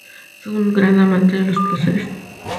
Fue un gran amante de los placeres.